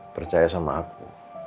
percaya sama aku